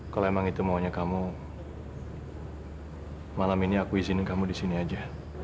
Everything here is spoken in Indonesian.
kalau emang itu maunya kamu malam ini aku izinin kamu di sini aja